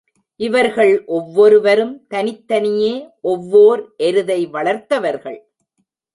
இவர்கள் ஒவ்வொருவரும் தனித்தனியே ஒவ்வோர் எருதை வளர்த்தவர்கள்.